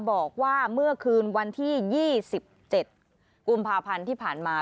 บอกว่าเมื่อคืนวันที่๒๗กุมภาพันธ์ที่ผ่านมา